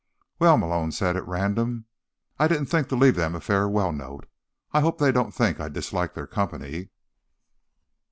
"Well," Malone said at random, "I didn't think to leave them a farewell note. I hope they don't think I disliked their company."